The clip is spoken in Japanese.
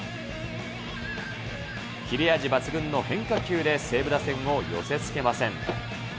切れ味抜群の変化球で、西武打線を寄せつけません。